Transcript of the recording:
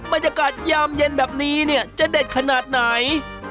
บรรยากาศยามเย็นแบบนี้เนี่ยจะเด็ดขนาดไหน